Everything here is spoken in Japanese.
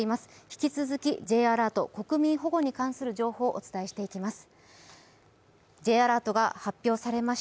引き続き国民保護に関する情報をお伝えしていきます。